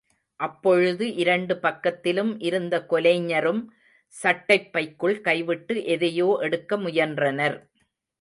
அப்பொழுது இரண்டு பக்கத்திலும் இருந்த கொலைஞரும் சட்டைப்பைக்குள் கைவிட்டு எதையோ எடுக்க முயன்றனர்.